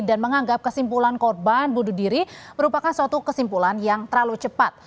dan menganggap kesimpulan korban bunuh diri merupakan suatu kesimpulan yang terlalu cepat